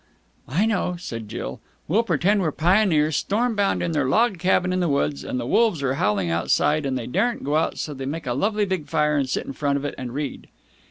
"I know," said Jill. "We'll pretend we're pioneers stormbound in their log cabin in the woods, and the wolves are howling outside, and they daren't go out, so they make a lovely big fire and sit in front of it and read."